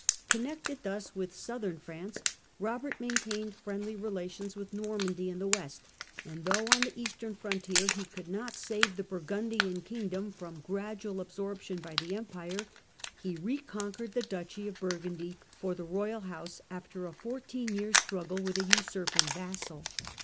Connected thus with Southern France, Eobert maintained friendly relations with Normandy in the west, and though, on the eastern frontier, he could not save the Burgundian kingdom from gradual absorption by the Empire (see p. 31), he reconquered the duchy of Burgundy for the royal house after a fourteen years' struggle with a usurping vassal.